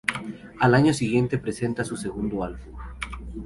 Al año siguiente, presenta su segundo álbum.